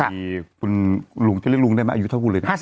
มีคุณลุงจะเรียกลุงได้ไหมอายุเท่ากูเลยนะ